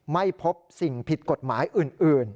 ไม่พบสิ่งผิดกฎหมายอื่น